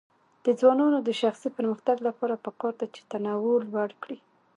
د ځوانانو د شخصي پرمختګ لپاره پکار ده چې تنوع لوړ کړي.